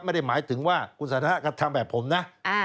ไม่ได้หมายถึงว่าคุณสันทนาก็ทำแบบผมนะ